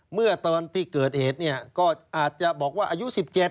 เมื่อตอนที่เกิดเหตุเนี่ยก็อาจจะบอกว่าอายุ๑๗